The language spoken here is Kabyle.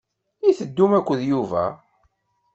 I teddum akked Yuba?